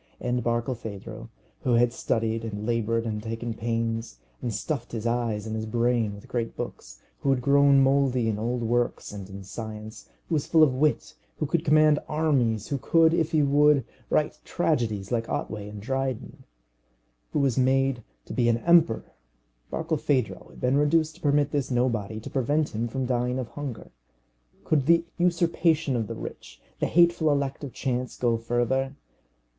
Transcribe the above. And Barkilphedro, who had studied and laboured and taken pains, and stuffed his eyes and his brain with great books, who had grown mouldy in old works and in science, who was full of wit, who could command armies, who could, if he would, write tragedies like Otway and Dryden, who was made to be an emperor Barkilphedro had been reduced to permit this nobody to prevent him from dying of hunger. Could the usurpation of the rich, the hateful elect of chance, go further?